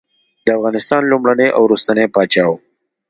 د افغانستان لومړنی او وروستنی پاچا وو.